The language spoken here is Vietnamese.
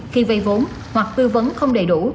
khi vay vốn hoặc tư vấn không đầy đủ